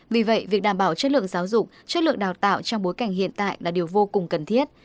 vì vậy việc đảm bảo chất lượng giáo dục chất lượng đào tạo trong bối cảnh hiện tại là điều vô cùng cần thiết